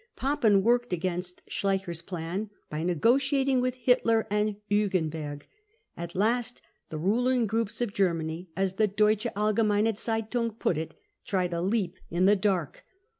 Papen workdl against Schleicher's plan by negotiating with Hitler and Hugenberg. At last the ruling groups of Germany, as the Deutsche Allgemeine Z^itung put it, tried a leap in the dark.